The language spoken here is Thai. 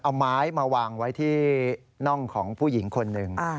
เอาไม้มาวางไว้ที่น่องของผู้หญิงคนหนึ่ง